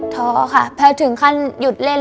ท้อค่ะแพ้ถึงขั้นหยุดเล่น